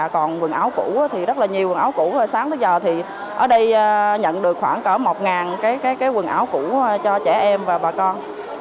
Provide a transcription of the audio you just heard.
còn quần áo cũ thì rất là nhiều áo cũ sáng bây giờ thì ở đây nhận được khoảng cỡ một cái quần áo cũ cho trẻ em và bà con